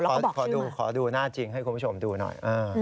แล้วก็บอกชื่อมาขอดูหน้าจริงให้คุณผู้ชมดูหน่อย